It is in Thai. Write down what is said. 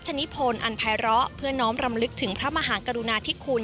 พระราชนิพนธ์อันไพร้เพื่อน้องรำลึกถึงพระมหากรุณาที่คุณ